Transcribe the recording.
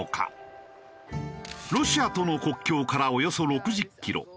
ロシアとの国境からおよそ６０キロ。